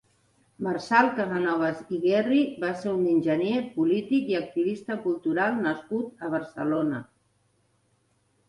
Marçal Casanovas i Guerri va ser un enginyer, polític i activista cultural nascut a Barcelona.